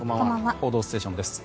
「報道ステーション」です。